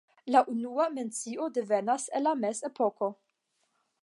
La unua mencio devenas el la mezepoko.